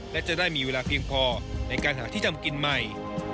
และจะได้มีเวลาเพียงพอในการหาที่ทำกินใหม่